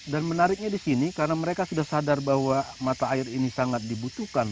dan menariknya di sini karena mereka sudah sadar bahwa mata air ini sangat dibutuhkan